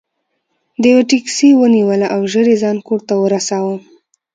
ده یوه ټکسي ونیوله او ژر یې ځان کور ته ورساوه.